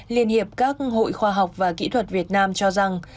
liên hiệp các hội khoa học và kỹ thuật việt nam cho rằng